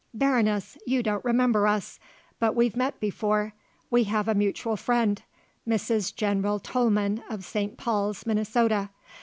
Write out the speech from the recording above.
"Baroness, you don't remember us but we've met before, we have a mutual friend: Mrs. General Tollman of St. Paul's, Minnesota.